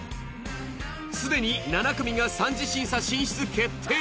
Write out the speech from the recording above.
すでに７組が三次審査進出決定。